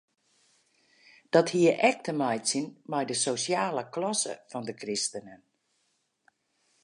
Dat hie ek te meitsjen mei de sosjale klasse fan de kristenen.